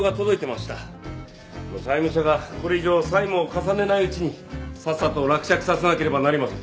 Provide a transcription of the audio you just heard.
債務者がこれ以上債務を重ねないうちにさっさと落着させなければなりません。